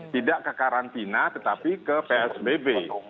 tidak ke karantina tetapi ke psbb